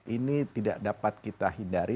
ini tidak dapat kita hindari